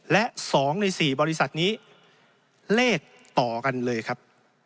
และ๒ใน๔บริษัทนี้เลขต่อกันเลยครับ